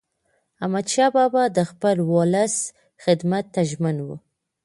احمدشاه بابا د خپل ولس خدمت ته ژمن و.